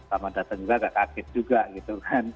sama dateng juga gak kaget juga gitu kan